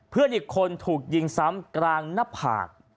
เพื่อนอีกคนถูกยิงซ้ำกลางหน้าผาก